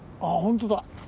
あほんとだ。